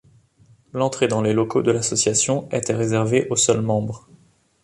L'entrée dans les locaux de l'association était réservée aux seuls membres.